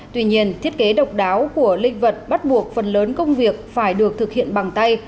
tuy nhiên thiết kế độc đáo của linh vật bắt buộc phần lớn công việc phải được thực hiện bằng tay